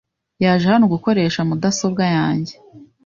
yaje hano gukoresha mudasobwa yanjye.